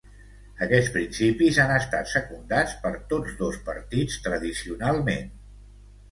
Aquests principis han estat secundats per tots dos partits tradicionalment.